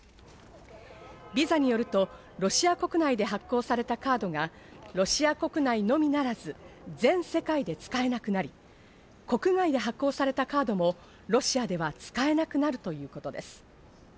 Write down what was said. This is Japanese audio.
ピザによると、ロシア国内で発行されたカードがロシア国内のみならず、全世界で使えなくなり、国外で発行されたカードもロシアでは使えなくなるということです。